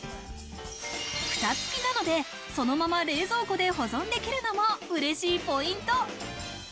ふた付きなので、そのまま冷蔵庫で保存できるのも嬉しいポイント。